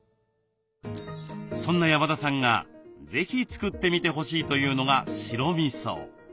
そんな山田さんが是非作ってみてほしいというのが白みそ。